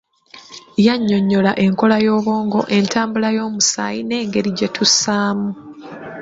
Yannyonyola enkola y'obwongo, entambula y'omusaayi n'engeri gye tussaamu.